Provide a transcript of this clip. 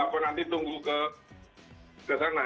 apa nanti tunggu ke sana